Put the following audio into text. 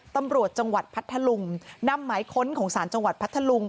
ตำรวจจังหวัดพัทธลุงนำหมายค้นของศาลจังหวัดพัทธลุง